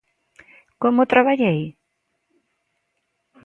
Como o traballei?